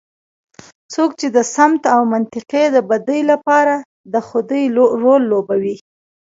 څوک د سمت او منطقې د بدۍ لپاره د خدۍ رول لوبوي.